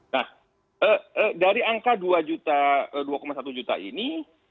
nah dari angka dua satu juta ini